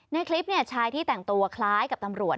ในคลิปชายที่แต่งตัวคล้ายกับตำรวจ